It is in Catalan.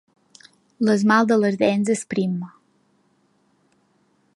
L'esmalt de les dents és prim.